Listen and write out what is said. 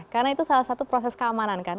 karena itu salah satu proses keamanan kan